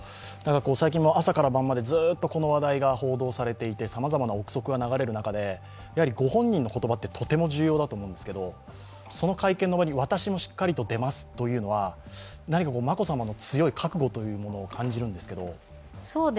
最近、朝から晩までずっとこの話題が報道されていてさまざまな憶測が流れる中でご本人の言葉ってとても重要だと思うんですけど、その会見の場に私もしっかりと出ますというのは、眞子さまの強い覚悟を感じるんですけど。